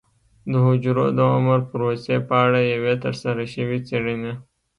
د حجرو د عمر پروسې په اړه یوې ترسره شوې څېړنې